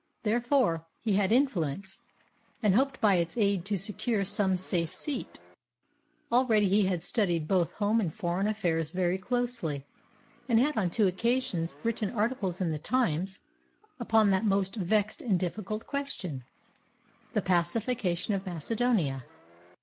Therefore he had influence, and hoped by its aid to secure some safe seat. Already he had studied both home and foreign affairs very closely, and had on two occasions written articles in the Times upon that most vexed and difficult question, the pacification of Macedonia.